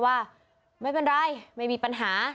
ว่าไม่เป็นไรไม่มีปัญหา